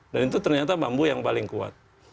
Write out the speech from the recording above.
dan itu ternyata bambu yang paling kuat